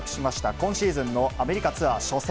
今シーズンのアメリカツアー初戦。